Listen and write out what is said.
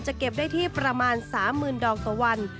เก็บได้ที่ประมาณ๓๐๐๐ดอกต่อวัน